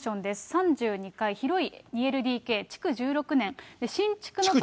３２階、広い２ＬＤＫ、築１６年、新築の。